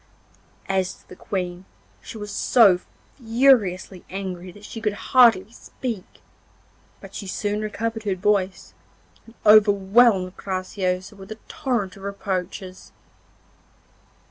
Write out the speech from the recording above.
As to the Queen, she was so furiously angry that she could hardly speak; but she soon recovered her voice, and overwhelmed Graciosa with a torrent of reproaches.